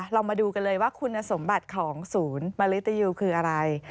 เรามาดูกันเลยว่าคุณสมบัติของศูนย์มริตยูคืออะไร